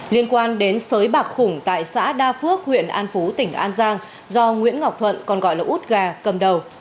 liên quan đến sới bạc khủng tại xã đa phước huyện an phú tỉnh an giang do nguyễn ngọc thuận còn gọi là út gà cầm đầu